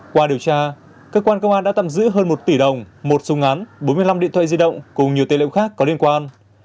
qua điều tra cơ quan công an đã tạm giữ hơn một tỷ đồng một súng án bốn mươi năm điện thoại di động cùng nhiều tên liệu khác có liên quan